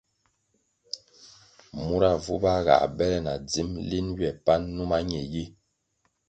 Mura vuba ga bele na dzim lin ywe pan numa ñe yi.